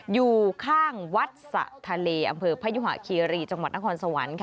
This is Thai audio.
อยู่ข้างวัดสะทะเลอำเภอพยุหะคีรีจังหวัดนครสวรรค์